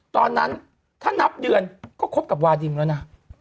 ตอนนั้นถ้านับเดือนก็คบกับวาดิมแล้วนะ